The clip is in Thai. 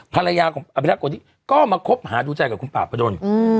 ภรรยาของอภิรักษ์คนที่ก็มาคบหาดูใจกับคุณป่าประดน